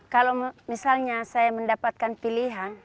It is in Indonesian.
kalau misalnya saya mendapatkan pilihan